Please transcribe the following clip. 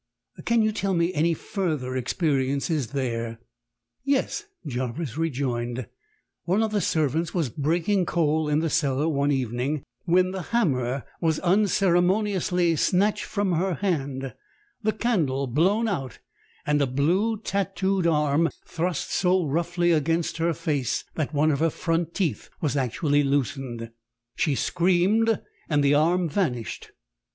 Can you tell me any further experiences there?" "Yes," Jarvis rejoined; "one of the servants was breaking coal in the cellar one evening, when the hammer was unceremoniously snatched from her hand, the candle blown out, and a blue, tatooed arm thrust so roughly against her face that one of her front teeth was actually loosened. "She screamed, and the arm vanished.